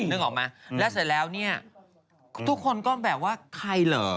เลยฯนึกออกมะและเสร็จแล้วนี่ทุกคนก็แบบว่าใครเหรอ